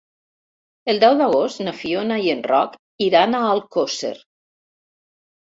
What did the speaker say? El deu d'agost na Fiona i en Roc iran a Alcosser.